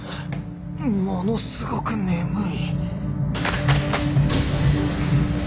ものすごく眠い